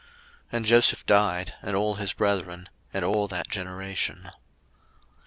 02:001:006 And Joseph died, and all his brethren, and all that generation.